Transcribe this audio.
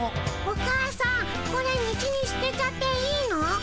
お母さんこれ道にすてちゃっていいの？